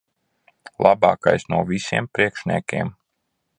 Labākais no visiem priekšniekiem.